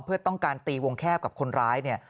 เพื่อต้องการตีวงแคบกับคนร้ายเนี่ย